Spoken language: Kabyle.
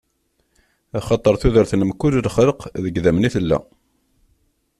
Axaṭer tudert n mkul lxelq deg idammen i tella.